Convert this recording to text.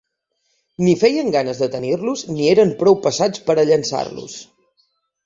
Ni feien ganes de tenir-los, ni eren prou passats pera llençar-los.